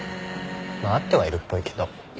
まあ会ってはいるっぽいけど。